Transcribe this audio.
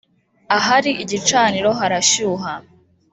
ahari igicaniro harashyuha